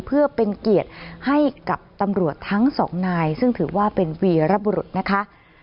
เพื่อเป็นเกียรติให้กับตำรวจทั้งสองนายซึ่งถือว่าเป็นวีรบุรุษนะคะ